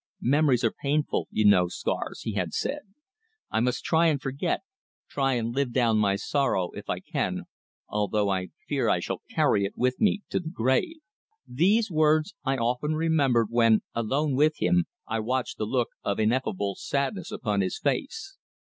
"Memories are painful, you know, Scars," he had said. "I must try and forget, try and live down my sorrow if I can, although I fear I shall carry it with me to the grave." These words I often remembered when, alone with him, I watched the look of ineffable sadness upon his face.